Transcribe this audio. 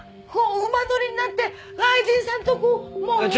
こう馬乗りになって愛人さんとこう。